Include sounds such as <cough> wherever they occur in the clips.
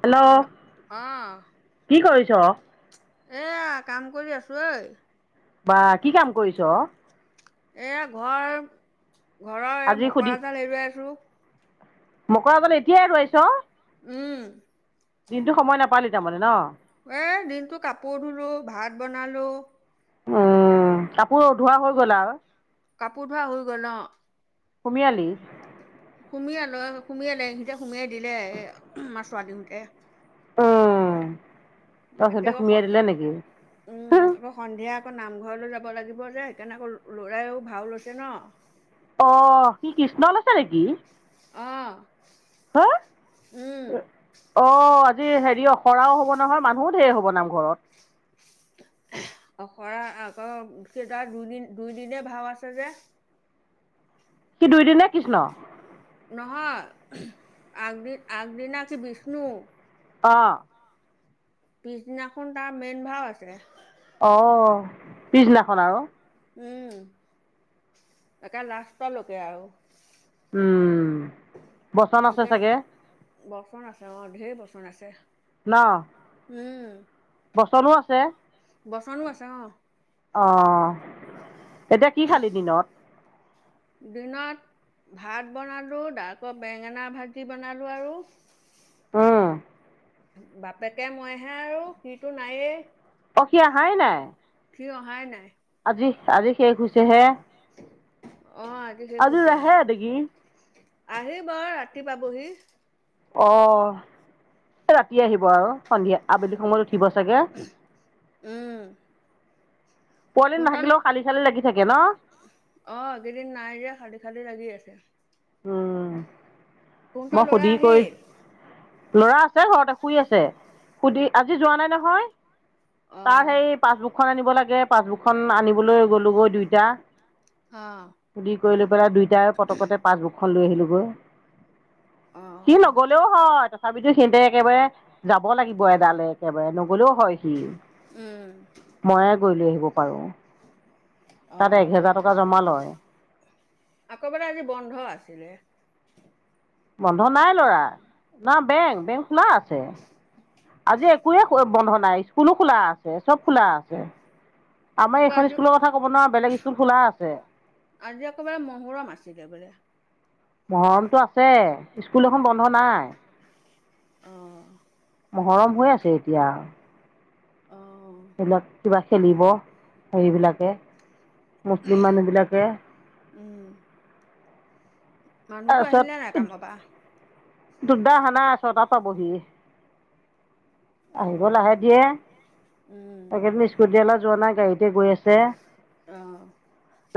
Hello অ' কি কৰিছ এয়া কাম কৰি আছোঁ ঐ। বা কি কাম কৰিছ এয়া ঘৰ ঘৰৰ এ মকৰা জাল এৰুৱাই আছো মকলাবলৈ এতিয়াহে গৈছে অ'। উম' দিনটো সময় নাপালি তাৰমানে ন? এ দিনটো কাপোৰ ধুলো ভাত বনালো। অঁ, কাপোৰ ধোৱা হৈ গ'ল আৰু। কাপোৰ ধোৱা হৈ গ'ল ন? সোমিয়ালি? সুমিয়ালৈ সুমিয়ালে সিহঁতে সুমিয়াই দিলে এ আমাৰ ছোৱালী হতে। <inaudible> উম তাৰপিছতে এতিয়া সুমিয়াই <unintelligible> দিলে নেকি উম আকৌ সন্ধিয়া আকৌ নামঘৰলৈ যাব লাগিব যে সেইকাৰণে আকৌ ল'ৰাইও ভাউ লৈছে ন। অহ সি কৃষ্ণ লৈছে নেকি? অ হা উম' অ আজি হেৰি অ'খৰাও হ'ব নহয়, মানুহো ধেৰ হ'ব নামঘৰত। <inaudible> অ' খুড়া আকৌ সেই তাৰ দুইদিন দুই দিনে ভাৱ আছে যে। সি দুই দিনে কৃষ্ণ নহয় আগদি আগদিনা সি বিষ্ণু। অ' পিছদিনাখন তাৰ মেইন ভাৱ আছে। অ' পিছদিনাখন আৰু। উম, একে লাষ্টলৈকে আৰু। উম বচন আছে চাগে বচন আছে অ' ধেৰ বছন। অ' আছে। ন? উম' বচনো আছে। বচনো আছে অঁ। অ' এতিয়া কি খালি দিনত? দিনত ভাত বনালো তাৰ আকৌ বেঙেনা ভাজি বনালো আৰু অ' বাপেকে মইহে আৰু সিটো নায়েই। অ' সি আহাই নাই? সি অহাই নাই। আজি আজি শেষ হৈছে হে। অ আজি শেষ আজে হৈছে নাহে নেকি? আহিব ৰাতি পাবহি। অ' ৰাতি আহিব আৰু। সন্ধিয়া আবেলি সময়ত উঠিব চাগে? উম পোৱালি কোনটা নাথাকিলেও খালী খালী লাগি থাকে ন? কালি লাগি আছে। উম' মই তোহোঁতৰ ল'ৰা সুধি কৰি আহিল? ল'ৰা আছে ঘৰতে শুই আছে, সুধি আজি যোৱা নাই নহয়। তাৰ অ', সেই পাছবুকখন আনিব লাগে পাছবুকখন আনিবলৈ গ'লোগৈ দুইটা। অ', সুধি কৰি লৈ পেলাই দুইটাই পতকতে পাচবুকখন লৈ আহিলোগৈ। সি নগলেও হয় তথাপিতো সিহঁতে একেবাৰে যাব লাগিব এডালে একেবাৰে নগলেও হয় সি। উম। ময়ে গৈ লৈ আহিব পাৰো। তাত অ', একহেজাৰ টকা জমা লয়। আকৌ বোলে আজি বন্ধ আছিলে বন্ধ নাই ল'ৰা না বেংক বেংক খোলা আছে আজি একোৱে বন্ধ নাই স্কুলো খোলা আছে চব খোলা আছে আমাৰ আকৌ এইখন আজি স্কুলৰ কথা ক'ব নোৱাৰা বেলেগ স্কুল খোলা আছে আজি আকৌ বোলে মহৰম মাতিছিল বোলে মহৰমতটো আছে স্কুল এখন বন্ধ নাই অঁ মহৰম হৈ আছে এতিয়া অ', এইবিলাক কিবা খেলিব সেইবিলাকে মুছলিম মানুহবিলাকে উম। মানুহতো আহিলে নাই কামপা দুৰ্দ হানা ছটা পাবহি আহিব লাহে অ', দিয়ে উম, <unintelligible> স্কুটি দিয়েলা যোৱা নাই গাড়ীতে গৈ আছে অ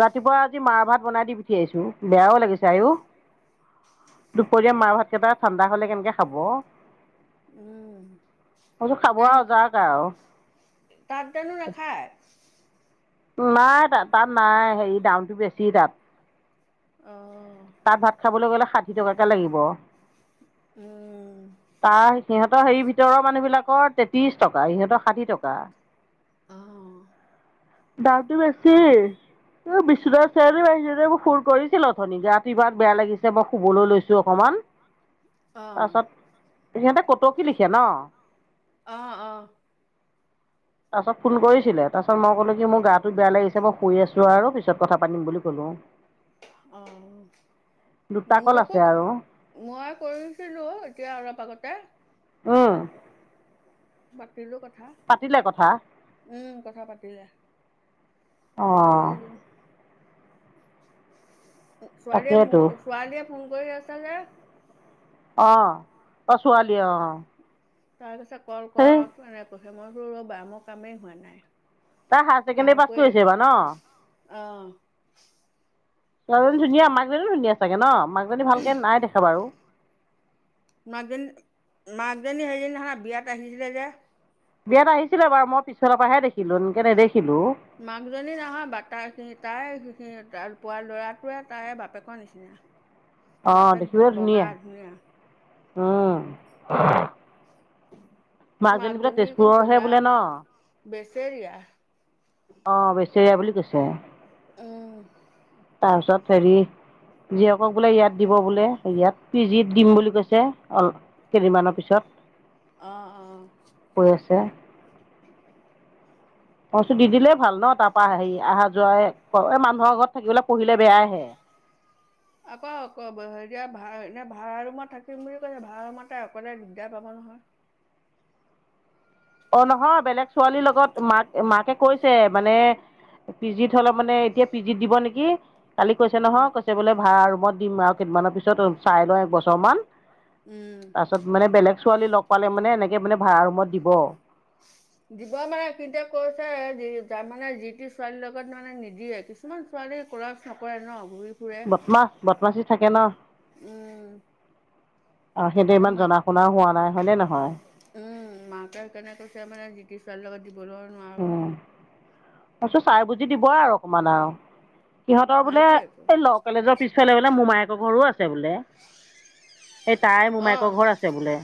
ৰাতিপুৱা আজি মাৰ ভাত বনাই দি পঠিয়াইছো বেয়াও লাগিছে আৰু দুপৰীয়া মাৰ ভাত কেইটা ঠাণ্ডা হলে কেনেকে খাব উম মইতো খাব তেন অজাৰ আৰু তাত জানো নাখায়? নাই ত তাত নাই হেৰি দামটো বেছি তাত অহ। তাত ভাত খাবলৈ গ'লে ষাঠি টকাকে লাগিব উম তাৰ সিহঁতৰ হেৰি ভিতৰৰ মানুহবিলাকৰ তেত্ৰিশ টকা ইিহঁতৰ ষাঠি টকা অ দামতো বেছি এই বিশ্বনাথ চাৰিআলি ফোন কৰিছিলো অথনি কিমান বেয়া লাগিছে মই শুবলৈ লৈছোঁ অকণমান অহ। তাৰপাছত সিহঁতে কতকি লিখে ন অ অ তাৰপাছত ফোন কৰিছিলে। তাৰপাছত মই ক'লোঁ কি মোৰ গাটো বেয়া লাগিছে, মই শুই আছো আৰু। পিছত কথা পাতিম বুলি কলো। অ দুটা মোৰ কল লগকো আছে আৰু মই কৰিছিলো এতিয়া অলপ আগতে অঁ পাতিলো কথা। কথা উম। কথা পাতিলে। কৰিলো অঁ ছোৱালীয়ে মোৰ তাকেইতো ছোৱালীয়ে ফোন কৰি আছে যে অ অ ছোৱালী অ তাৰ পিছত কল কৰক এনে কৈছে মই ৰ'বা মোৰ কামেই হোৱা নাই তাই হায়াৰ ছেকেণ্ডৰী পাছ কৰিছে বা ন অ ছোৱালী ধুনীয়া মাকজনী ধুনীয়া চাগে ন মাকজনী ভালকে নাই দেখা বাৰু মাকজনী মাকজনী সেইজনী হয় বিয়াত আহিছিলে যে বিয়াত আহিছিলে বাৰু মই পিছৰ পৰাহে দেখিছো এনেকে নেদেখি মাক জনী নহয় বা তাইনি তাই সেই ত পুৱা ল'ৰাটোৱে তাৰে বাপেকৰ নিচিনা অঁ বাপে দেখিবলৈ বগা ধুনীয়া উম মাকজনী বোলে অকণ তেজপুৰৰহে ক'লা বোলে ন <inaudible> অ বেচেৰিয়া বুলি কৈছে। ন <unintelligible> তাৰপিছত হেৰি যিয়েকক বোলে ইয়াত দিব বোলে ইয়াত পিজিত দিম বুলি কৈছে অ কেইদিনমানৰ পিছত। অ', অ। এয় অচো দি দিলে ভাল ন তাৰপা হেৰি আহা যোৱা ক এই মানুহৰ ঘৰত থাকিবলৈ পঢ়িলে বেয়াহে। আকৌ অক হয়া ভা এনে ভাড়া ৰুমত থাকিম বুলি কৈছে ভাড়া ৰুমতে অকলে দিগদাৰ পাব নহয়। নহয় অ, নহয়, বেলেগ ছোৱালীৰ লগত মাক মাকে কৈছে মানে পিজিত হ'লে মানে, এতিয়া পিজিত দিব নেকি। কালি কৈছে নহয়। উম। কৈছে বোলে ভাড়া ৰুমত দিম আৰু কেইদিনমানৰ পিছত চাই লওঁ একবছৰমান। উম। তাৰ পাছত মানে, বেলেগ ছোৱালী লগ পালে মানে এনেকে মানে ভাড়া ৰুমত দিব। <unintelligible> দিব মানে, কিন্তু কৈছে যি তাৰ মানে যি টি ছোৱালীৰ লগত মানে নিদিয়ে, কিছুমান ছোৱালী কলা নপৰে ন। ফুৰে বতমাছ, বতমাচি থাকে ন। উম। আৰু সিহঁতে সেইকাৰণে ইমান জনা শুনাও হোৱা নাই মাত। হয়নে নহয় উম মাকে সেইকাৰণে কৈছে মানে কি ছোৱালী লগত দিবলৈ নোৱাৰো। ত চাই বুজি দিব আৰু অকণমান আৰু। সিহঁতৰ বোলে, সেইটোৱেতো। এই ল কলেজৰ পিছফালে বোলে, মোমায়েকৰ ঘৰো আছে বোলে। এই তাই মোমাইকৰ অ', ঘৰ আছে বোলে।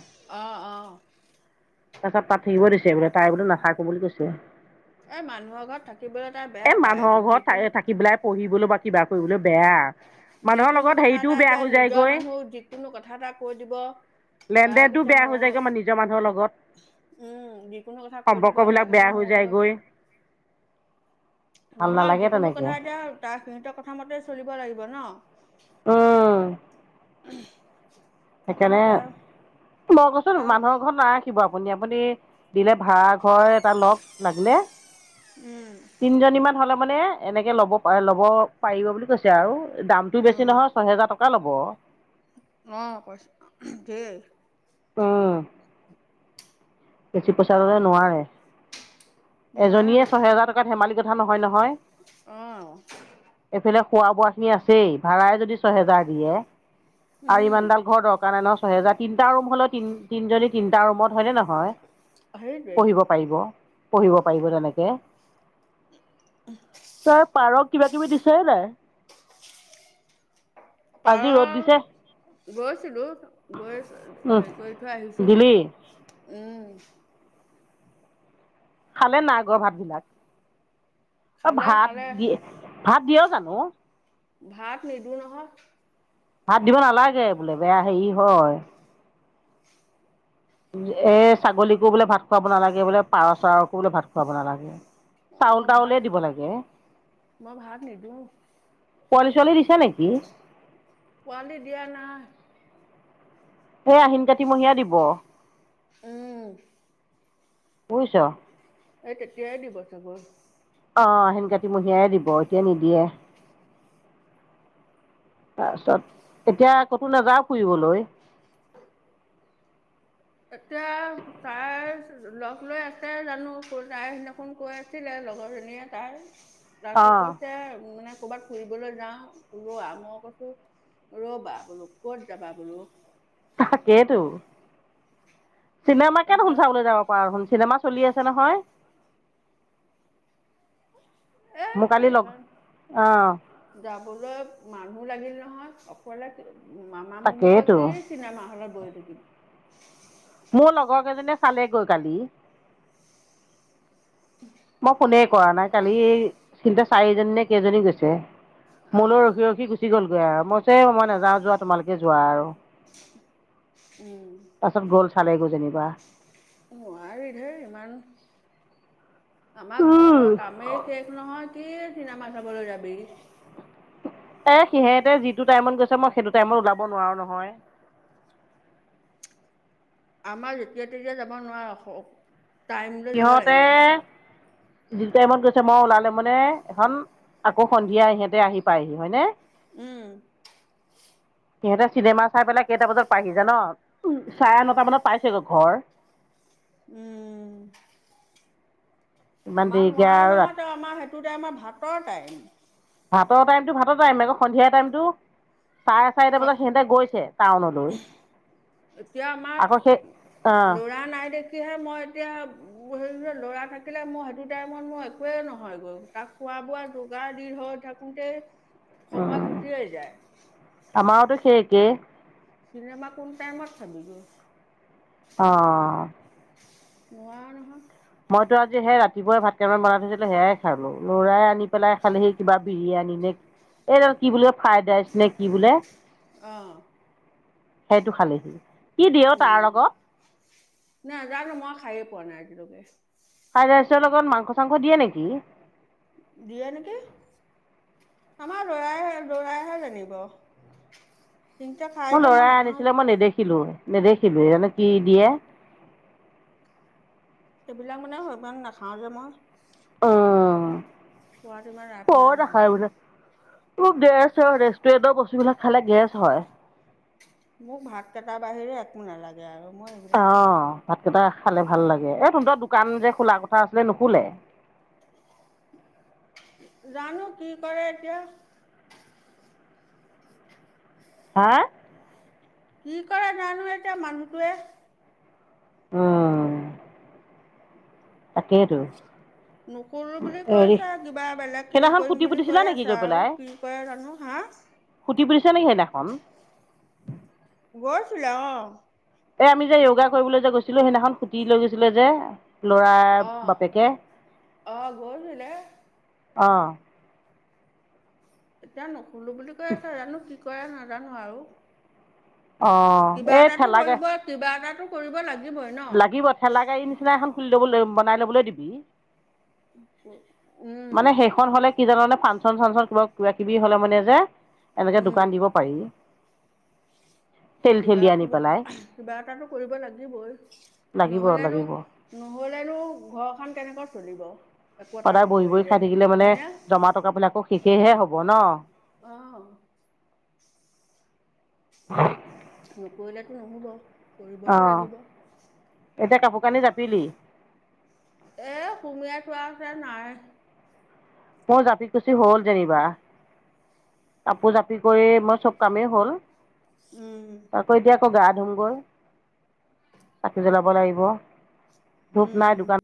<inaudible> তাছত তাত থাকিব দিছে বোলে তাই বোলে নাথাকো বুলি কৈছে। এই মানুহৰ ঘৰত থাকিবলৈ তাই এ বেয়া পায় মানুহৰ ঘৰত যিকোনো ঠাই থাকিবেলাই পঢ়িবলৈ বা কিবা কৰিবলৈ বেয়া। আ যিকোনো কথা এটা, এতিয়া নিজৰ মানুহ যিকোনো কথা এটা কৈ দিব। লেন তাই দেনটো কৈছে বেয়া হৈ মোৰ যায়গৈ, আমাৰ নিজৰ মানুহৰ লগত উম, যিকোনো কথা কৈ দিব তাৰপিছত মোৰ লগত অ নহয় যিকোনো কথা এতিয়া তাই সিহতৰ কথা মতেই চলিব লাগিব ন অহ, সেইকাৰণে তাই সেইকাৰণে মই কচোন মানুহৰ তাই ঘৰত নাৰাখিব আপুনি-আপুনি দিলে ভাড়াঘৰ এটা লগ লাগিলে উম তিন জনীমান হ'লে মানে এনেকে লব পা লব পাৰিব বুলি কৈছে আৰু দামটো বেছি অঁ নহয় ছহেজাৰ টকা লব। অ পচ ধে ঔ অ বেছি পইচাললে নোৱাৰে এজনীয়ে নোৱাৰে ছয়হেজাৰ টকাত ধেমালি কথা নহয়, নহয় অঁ এইফালে খোৱা বোৱাখিনি আছেই ভাড়াই যদি ছহেজাৰ দিয়ে আৰু উম ইমানডাল ঘৰ দৰকাৰ নাই নহয়। ছহেজাৰ তিনটা ৰুম হ'লে তিন তিনজনী তিনিটা ৰুমত হয় নে নহয়। সেইটোৱেইটো পঢ়িব পাৰিব, পঢ়িব পাৰিব তেনেকে। তাৰ পাৰক কিবা কিবি দিছেনে নাই। আজি ৰ'দ দিছে। গৈছিলো, গৈ উম হেৰি কৰি থৈ আহিছো। দিলি উম। খালে নাআগৰ ভাত বিলাক, অ খালে ভাত খালে দি <inaudible> ভাত দিয় জানো। ভাত নিদো নহয়। ভাত দিব নালাগে বোলে বেয়া হেৰি হয়। এ ছাগলীকো বোলে ভাত খুৱাব নালাগে বোলে, পাৰ চাৰকো বোলে ভাত খুৱাব নালাগে। চাউল মই তাউলে ভাত দিব লাগে মই ভাত নিদিওঁ। পোৱালি ছোৱালী দিছে নেকি? পোৱালি দিয়া নাই। এই আহিন কাতিয়া মহীয়া দিব। উম বুইছ। এই তেতিয়াই দিব চাগৈ। অ আহিন কাতি মহীয়াই দিব এতিয়া নিদিয়ে। তাৰপিছত এতিয়া ক'তো নাযাওঁ ফুৰিবলৈ। এতিয়া তাই লগ লৈ আছে জানো ক'ত যাই তাই সেদিনাখন কৈ আছিলে। লগৰজনীয়ে তাৰ অ তাৰপাছত কৈছে মানে ক'বাত ফুৰিবলৈ যাওঁ ওলোৱা, মই কৈছো ৰ'বা বোলো ক'ত যাবা বোলো। থাকেটো। চিনেমাকে দেখোন তাৰপাছত চাবলৈ যাব পৰা দেখোন চিনেমা চলি আছে নহয়। এ মোৰ কালি লগ সেইখন অ' যাবলৈ মানুহ লাগিলে নহয় অকলে কি মামা মুমুকৈ তাকেইতো কি চিনেমা হলত বহি থাকিব মোৰ লগৰ কেইজনীয়ে চালেগৈ কালি। মই ফুনে কৰা নাই কালি চিল্টে চাৰিজনী নে কেইজনী গৈছে। অ মোলৈ ৰখি ৰখি গুচি গ'লগৈ আৰু, মই কৈছোঁ এই নাযাওঁ যোৱা তোমালোকে যোৱা আৰু। তাৰপাছত <unintelligible> গ'ল চালেগৈ যেনিবা। নোৱাৰি ধেই ইমান। আমাৰ উম ঘৰৰ কামেই শেষ নহয়, কি চিনেমা চাবলৈ যাবি। এ সিহতে যিটো টাইমত গৈছে মই সেইটো টাইমত ওলাব নোৱাৰো নহয়। <inaudible> আমাৰ যেতিয়া তেতিয়া যাব নোৱাৰ অখ অখ সিহঁতে টাইমত গৈছে মই ওলালে মানে এখন আকৌ সন্ধিয়া ইহঁতে আহি পায়হি হয়নে। উম। সিহঁতে চিনেমা চাই পেলাই কেইটা বজাত পাইহি যান, উম চাৰে নটা বজাত পাইছেগৈ ঘৰ। উম। ইমান আমাৰ দেৰিকে নোৱাৰো আৰু নহয় ৰাতি তই আমাৰ সেইটো টাইমাত ভাতৰ টাইম। ভাতৰ টাইমটো ভাতৰ টাইম আকৌ সন্ধিয়া টাইমটো। চাৰে চাৰিটা বজাত সিহঁতে গৈছে টাউনলৈ। এতিয়া আমাক আকৌ সেই অ' ল'ৰা নাই দেখিয় মই এতিয়া সেই ল'ৰা থাকিলে মই সেইটো টাইমত মোৰ একোৱেই নহয় গৈ, তাক খোৱা বোৱা যোগাৰ দি ধও থাকোতে সময় গুচিয়েই যায়। আমাৰতো সেই একেই। চিনেমা কোন টাইমত চাবি গৈ। অহ। নোৱাও নহয়। মইতো আজি সেই ৰাতিপুৱাই ভাতকেইটামান বনাই থৈছিলো সেয়াই খালো, লৰাই আনি পেলাই খালেহি কিবা বিৰিয়া আনিলে, এদাল কি বোলে ফাইডাইছ নে কি বোলে? অ', সেইটো খালেহি। কি দিয়ে অ' তাৰ উম', লগত নাজানোঁ মই খাইয়ে পোৱা নাই আজিলৈকে। ফ্ৰাইড ৰাইছৰ লগত মাংস চাংস দিয়ে নেকি? দিয়ে নেকি। আমাৰ ল'ৰাই ল'ৰাইহে জানিব। সিহঁতে খাই মোৰ যে মই ল'ৰাই নাখাওঁ। আনিছিলে, মই নেদেখিলোঁ। নেদেখিলোৱে, জানো কি দিয়ে? সেইবিলাক মানে সিমান নাখাওঁ যে মই। অহ। খোৱাটো ইমান ৰাপ নাই। খুব গেছ হয়, ৰেষ্টুৰেণ্টৰ বস্তুবিলাক খালে গেছ হয়। মোক ভাত কেইটাৰ বাহিৰে একো নালাগে আৰু। মই এইবিলাক অ', নাখাওঁ। ভাতকেইটা খালে ভাল লাগে, এই তহঁতৰ দোকান যে খোলা কথা আছিলে নোখোলে? জানো কি কৰে এতিয়া। হা, কি কৰে জানো এতিয়া মানুহটোৱে। অহ। তাকেইটো। নোখোলো বুলি কৈছে, কিবা বেলেগ হেৰি সেইদিনাখন কৰিম খুটি বুলি পুতিছিলা কৈয়ে নেকি আছে গৈ আৰু, পেলাই কি কৰে জানো হা। হা, <unintelligible> সেইদিনাখন? গৈছিলে, অহ। এ আমি যে যোগা কৰিবলৈ যে গৈছিলো, সেইদিনাখন স্কুটি লৈ গৈছিলে যে। ল'ৰা অ', বাপেকে, অ', গৈছিলে। অ', এতিয়া নোখোলো বুলি কৈ আছে, জানো কি কৰে, নাজানো আৰু। অঁ কিবা এই এটাতো ঠেলা গা কৰিব, কিবা এটাটো কৰিব লাগিব। লাগিব ঠেলাগাড়ী নিচিনা এখন খুলি ল'বলৈ, বনাই ল'বলৈ দিবি। অ'। মানে সেইখন হ'লে কি জানোনে, ফাংচন-চাংচন কিবা কিবা-কিবি হ'লে মানে যে, এনেকে উম দোকান দিব পাৰি। ঠেলি ঠেলি কিবাটো, আনি পেলাই কিবা এটাটো কৰিব লাগিবই। লাগিব নহ'লেনো লাগিব নহ নহ'লেনো ঘৰখন কেনেকৈ চলিব! একো এটা সদায় বহি-বহি নকৰিলে খাই থাকিলে মানে হয়নে জমা টকাবিলাকো শেষেহে হ'ব ন। অহ। <unintelligible> নকৰিলেতো নহ'ব, কৰিবতো লাগিব। আনি জাপিলি? এহ, সুমুৱাই থোৱা আছে, নাই। মোৰ জাপি-কুছি হ'ল যেনিবা। কাপোৰ জাপি কৰি মই সব কামেই হ'ল, উম তাৰপৰা এতিয়া আকৌ গা ধুমগৈ, চাকি জ্বলাব লাগিব। ধূপ নাই উম। দোকান